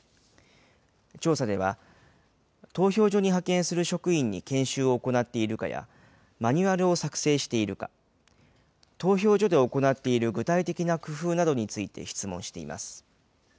調査では、投票所に派遣する職員に研修を行っているかや、マニュアルを作成しているか、投票所で行っている具体的な工夫などについて質問しています。